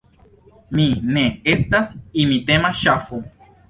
Mi ne estas imitema ŝafo.